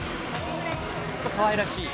かわいらしい。